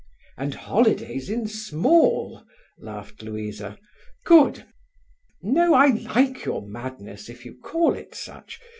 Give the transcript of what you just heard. "And holidays in small," laughed Louisa. "Good! No, I like your madness, if you call it such.